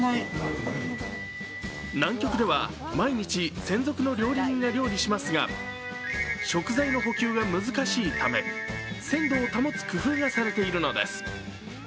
南極では毎日、専属の料理人が料理しますが食材の補給が難しいため鮮度を保つ工夫がされているのです。